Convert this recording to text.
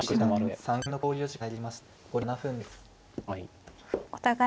はい。